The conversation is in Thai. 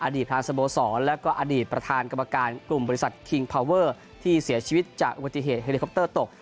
อดีตทางสะโบสรแล้วก็อดีตประธานกรรมการกลุ่มบริษัทที่เสียชีวิตจากอุปกรณ์อุปกรณ์เฮลิคอปเตอร์ตก